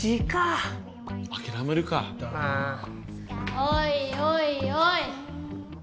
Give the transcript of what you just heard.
おいおいおい！